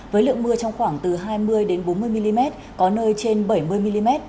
với lượng mưa trong khoảng từ hai mươi bốn mươi mm có nơi trên bảy mươi mm